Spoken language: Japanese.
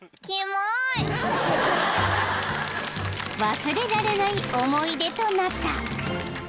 ［忘れられない思い出となった］